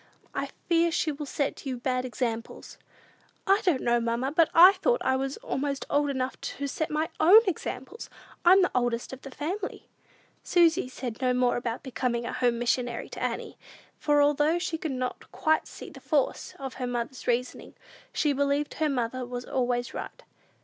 I fear she will set you bad examples." "I didn't know, mamma; but I thought I was almost old enough to set my own examples! I'm the oldest of the family." Susy said no more about becoming a home missionary to Annie; for, although she could not quite see the force of her mother's reasoning, she believed her mother was always right.